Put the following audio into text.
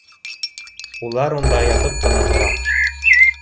Улар унда ятып ҡына тора